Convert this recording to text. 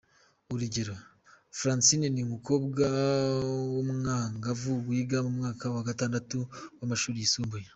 Urugero: Francine ni umukobwa w’umwangavu wiga mu mwaka wa gatandatu w’amashuri yisumbuye.